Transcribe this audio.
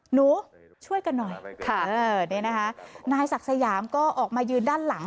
หนูช่วยกันหน่อยนายศักดิ์สยามก็ออกมายืนด้านหลัง